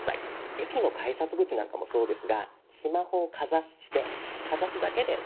駅の改札口なんかもそうですがスマホをかざしてかざすだけで支払いが終了するタイプ。